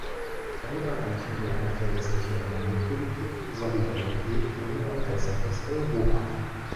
Damit erreichen wir eine verlässliche Energiepolitik, Solidarität und ein besseres Europa.